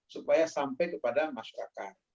supaya sampai kepada masyarakat